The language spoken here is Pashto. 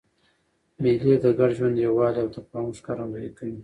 مېلې د ګډ ژوند، یووالي او تفاهم ښکارندویي کوي.